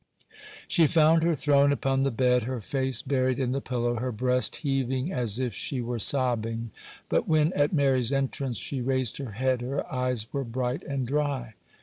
She found her thrown upon the bed, her face buried in the pillow, her breast heaving as if she were sobbing; but when at Mary's entrance she raised her head, her eyes were bright and dry.